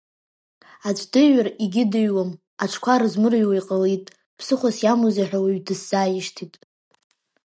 Аӡә дыҩр, егьи дыҩуам, аҽқәа рызмырҩуа иҟалит, ԥсыхәас иамози ҳа оҩ дысзааишьҭит.